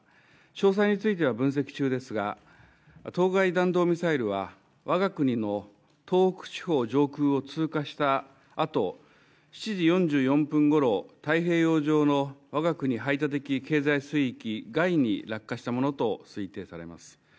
詳細については分析中ですが当該弾道ミサイルは我が国の東北地方上空を通過したあと７時４４分ごろ、太平洋上の我が国、排他的経済水域外に落下したものと推定されます。